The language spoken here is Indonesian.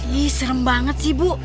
ini serem banget sih bu